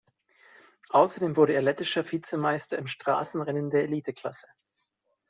Außerdem wurde er lettischer Vizemeister im Straßenrennen der Eliteklasse.